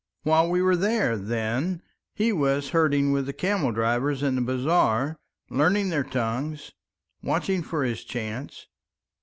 "While we were there, then, he was herding with the camel drivers in the bazaar learning their tongues, watching for his chance.